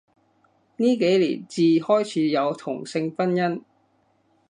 呢幾年至開始有同性婚姻